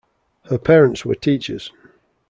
Her parents were teachers.